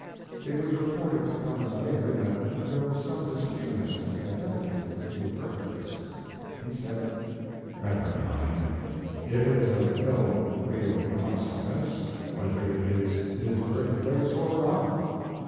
It was reported to Clemens later that there was some dispute as to the identity of the Field birthplace. He said: "Never mind. It is of no real consequence whether it is his birthplace or not.